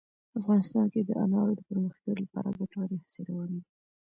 افغانستان کې د انارو د پرمختګ لپاره ګټورې هڅې روانې دي.